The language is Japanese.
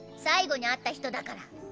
最後に会った人だから。